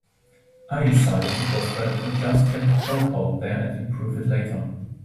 I decided it was better to just get the code out there and improve it later.